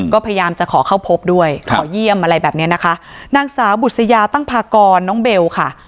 ก็พยายามจะขอเข้าพบด้วยขอเยี่ยมอะไรแบบเนี้ยนะคะนางสาวบุษยาตั้งพากรน้องเบลค่ะ